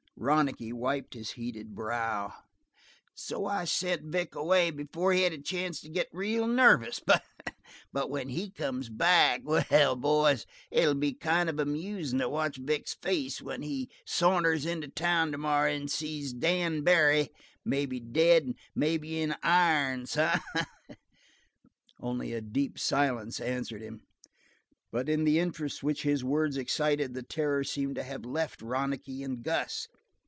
Ronicky wiped his heated brow. "So I sent Vic away before he had a chance to get real nervous. But when he comes back well, boys, it'll be kind of amusin' to watch Vic's face when he saunters into town tomorrow and sees Dan Barry maybe dead, maybe in the irons. Eh?" Only a deep silence answered him, but in the interest which his words excited the terror seemed to have left Ronicky and Gus.